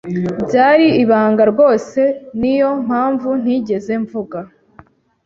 Byari ibanga rwose niyo mpamvu ntigeze mvuga.